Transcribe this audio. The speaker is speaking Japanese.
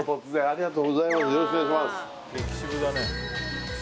よろしくお願いします